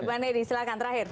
pak nedi silahkan terakhir